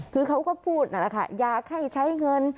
คือเขาก็พูดนั่นแหละค่ะอยากให้ใช้เงิน